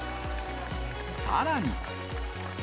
さらに。